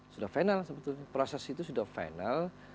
sudah final sebetulnya proses itu sudah final